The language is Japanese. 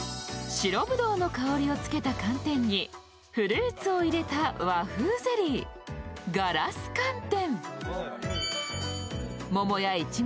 白ぶどうの香りをつけた寒天にフルーツを入れた和風ゼリー、硝子寒天。